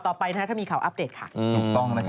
สนับสนุนโดยดีที่สุดคือการให้ไม่สิ้นสุด